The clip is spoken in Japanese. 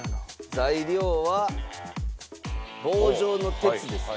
材料は棒状の鉄ですね。